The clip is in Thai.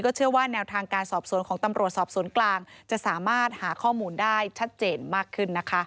เชื่อว่าแนวทางการสอบสวนของตำรวจสอบสวนกลางจะสามารถหาข้อมูลได้ชัดเจนมากขึ้นนะคะ